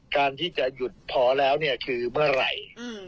การที่จะหยุดพอแล้วเนี่ยคือเมื่อไหร่